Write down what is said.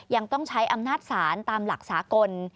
ยังต้องใช้อำนาจศาลตามหลักสากล